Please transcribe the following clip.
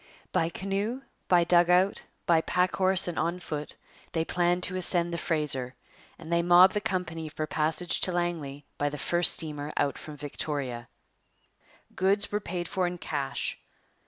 By canoe, by dugout, by pack horse, and on foot, they planned to ascend the Fraser, and they mobbed the company for passage to Langley by the first steamer out from Victoria. Goods were paid for in cash.